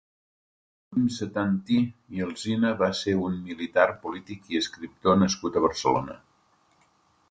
Joaquim Setantí i Alzina va ser un militar, polític i escriptor nascut a Barcelona.